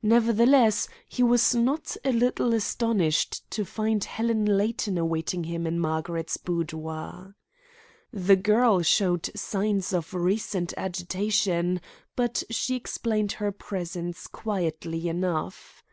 Nevertheless, he was not a little astonished to find Helen Layton awaiting him in Margaret's boudoir. The girl showed signs of recent agitation, but she explained her presence quietly enough.